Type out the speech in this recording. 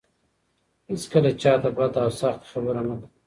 هيڅکله چا ته بده او سخته خبره مه کوه.